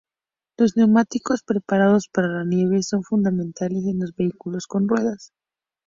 Los neumáticos preparados para la nieve son fundamentales en los vehículos con ruedas.